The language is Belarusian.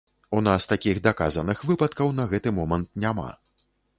У нас такіх даказаных выпадкаў на гэты момант няма.